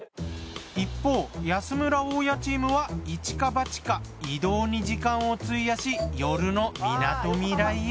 一方安村・大家チームは一か八か移動に時間を費やし夜のみなとみらいへ。